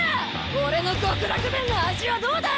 俺の極楽鞭の味はどうだ？